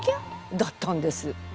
だったんです。